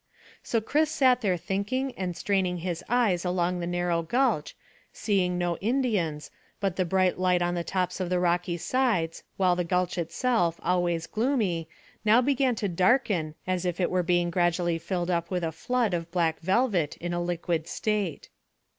So Chris sat there thinking and straining his eyes along the narrow gulch, seeing no Indians, but the bright light on the tops of the rocky sides, while the gulch itself, always gloomy, now began to darken as if it were being gradually filled up with a flood of black velvet in a liquid state.